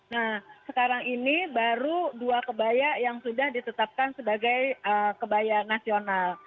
nah sekarang ini baru dua kebaya yang sudah ditetapkan sebagai kebaya nasional